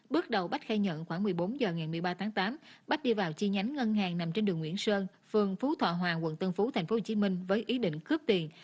bước đầu bách khai nhận khoảng một mươi bốn h ngày một mươi ba tháng tám bách đi vào chi nhánh ngân hàng nằm trên đường nguyễn sơn phương phú thọ hòa quận tân phú tp hcm với ý định cướp tiền